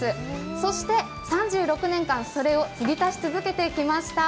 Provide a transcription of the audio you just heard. そして３６年間、それを入れ足し続けてきました。